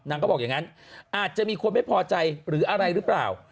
เขาบอกอย่างนั้นอาจจะมีคนไม่พอใจหรืออะไรหรือเปล่า